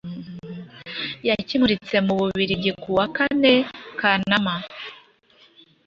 yakimuritse mu Bubiligi kuwa yakane Kanama